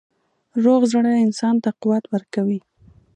روغ زړه انسان ته قوت ورکوي.